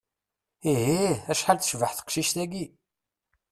Ihih, acḥal tecbeḥ teqcict-agi!